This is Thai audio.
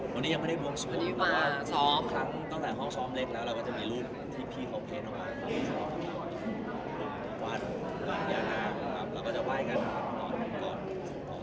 กรุงวันวันอย่างน้ำครับเราก็จะไว้กันตอนก่อน